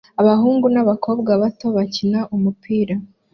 Abahungu n'abakobwa bato bakina umupira